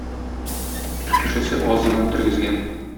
Кешесе аз иман тергезгән.